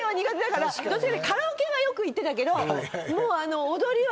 カラオケはよく行ってたけどもうあの。